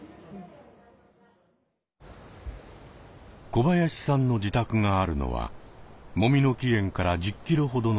小林さんの自宅があるのはもみの木苑から１０キロほどの場所。